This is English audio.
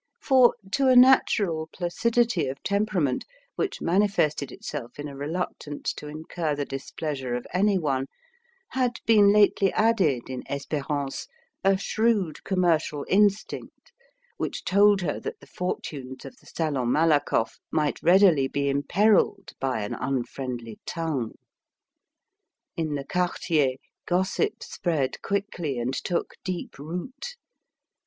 For, to a natural placidity of temperament, which manifested itself in a reluctance to incur the displeasure of any one, had been lately added in Espérance a shrewd commercial instinct, which told her that the fortunes of the Salon Malakoff might readily be imperilled by an unfriendly tongue. In the quartier, gossip spread quickly and took deep root.